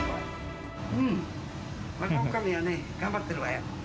若おかみはね、頑張ってるわよ。